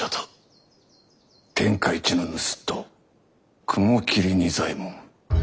天下一の盗人雲霧仁左衛門。